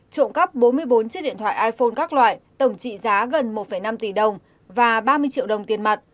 trộm cắp bốn mươi bốn chiếc điện thoại iphone các loại tổng trị giá gần một năm tỷ đồng và ba mươi triệu đồng tiền mặt